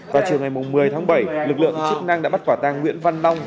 vào trường ngày một mươi tháng bảy lực lượng chức năng đã bắt quả tàng nguyễn văn long